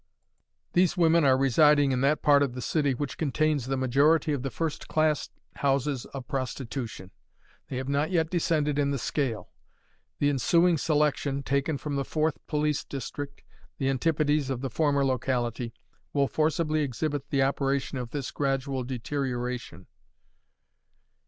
These women are residing in that part of the city which contains the majority of the first class houses of prostitution; they have not yet descended in the scale. The ensuing selection, taken from the Fourth Police District, the antipodes of the former locality, will forcibly exhibit the operation of this gradual deterioration.